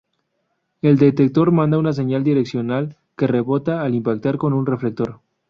El detector manda una señal direccional que rebota al impactar con un reflector.